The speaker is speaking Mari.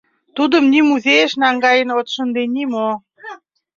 Тудым ни музейыш наҥгаен от шынде, ни мо.